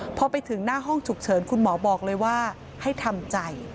พอไปถึงหน้าห้องฉุกเฉินคุณหมอบอกเลยว่าให้ทำใจ